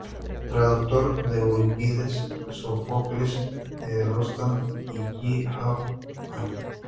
Traductor de Eurípides, Sófocles, E. Rostand y G. Hauptmann.